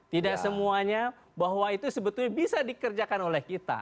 tidak semuanya bahwa itu sebetulnya bisa dikerjakan oleh kita